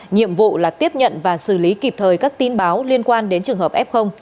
nhiệm vụ là tiếp nhận và xử lý kịp thời các tin báo liên quan đến trường hợp f